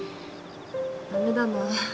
ダメだな。